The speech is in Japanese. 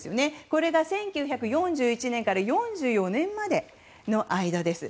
これが１９４１年から４４年までの間です。